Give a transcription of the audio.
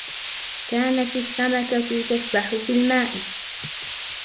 كانت السمكة تسبح في الماء.